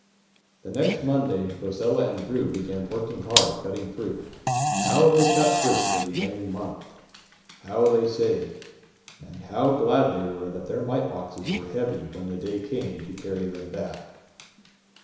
The next Monday Rosella and Drew began working hard cutting fruit. How they cut fruit the remaining month! How they saved! And how glad they were that their mite boxes were heavy when the day came to carry them back!